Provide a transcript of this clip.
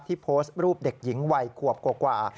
โพสต์รูปเด็กหญิงวัยขวบกว่า